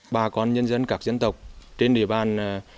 bà con nhân dân các dân tộc trên địa bàn